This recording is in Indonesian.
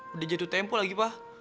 udah jadu tempuh lagi pak